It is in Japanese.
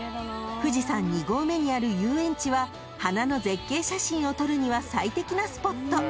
［富士山二合目にある遊園地は花の絶景写真を撮るには最適なスポット］